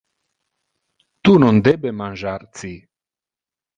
Tu non debe mangiar ci.